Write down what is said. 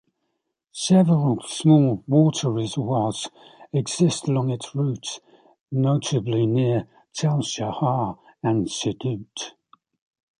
Several small water reservoirs exist along its route, notably near Tal Shahar and Yesodot.